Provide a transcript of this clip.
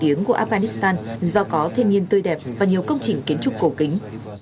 nổi tiếng của afghanistan do có thiên nhiên tươi đẹp và nhiều công trình kiến trúc cổ kính